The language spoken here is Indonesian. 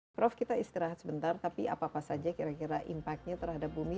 prof kita istirahat sebentar tapi apa apa saja kira kira impactnya terhadap bumi